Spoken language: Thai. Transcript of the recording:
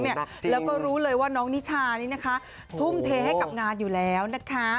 แล้วก็รู้เลยว่าน้องนิชานี่นะคะทุ่มเทให้กับงานอยู่แล้วนะคะ